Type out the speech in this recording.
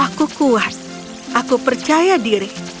aku kuat aku percaya diri